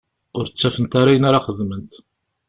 Ur ttafent ara ayen ara xedment.